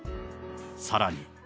さらに。